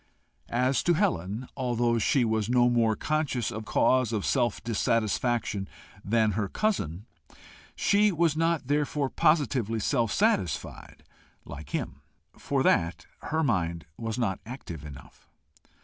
As to Helen, although she was no more conscious of cause of self dissatisfaction than her cousin, she was not therefore positively self satisfied like him. For that her mind was not active enough.